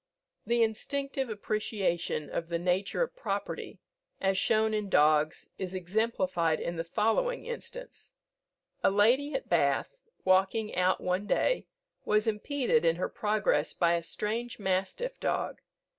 [S] The instinctive appreciation of the nature of property as shown in dogs is exemplified in the following instance: A lady at Bath, walking out one day, was impeded in her progress by a strange mastiff dog.